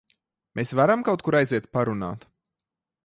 Mēs varam kaut kur aiziet parunāt?